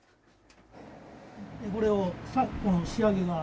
これをこの仕上げが。